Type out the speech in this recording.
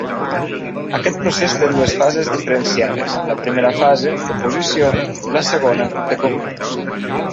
Aquest procés té dues fases diferenciades: la primera fase, d'oposició; la segona, de concurs.